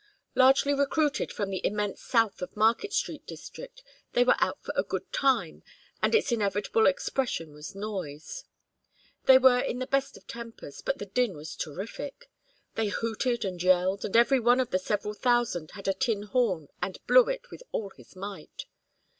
Largely recruited from the immense South of Market Street district, they were out for a good time, and its inevitable expression was noise. They were in the best of tempers, but the din was terrific. They hooted and yelled, and every one of the several thousand had a tin horn and blew it with all his might.